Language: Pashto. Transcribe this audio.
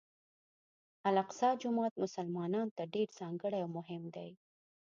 الاقصی جومات مسلمانانو ته ډېر ځانګړی او مهم دی.